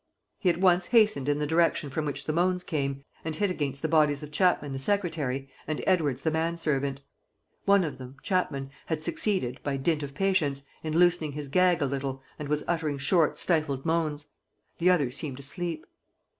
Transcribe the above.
He at once hastened in the direction from which the moans came and hit against the bodies of Chapman the secretary, and Edwards the manservant. One of them, Chapman, had succeeded, by dint of patience, in loosening his gag a little and was uttering short, stifled moans. The other seemed asleep.